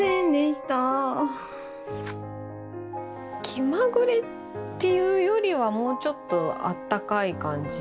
きまぐれっていうよりはもうちょっとあったかい感じ。